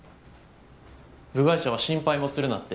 部外者は心配もするなって？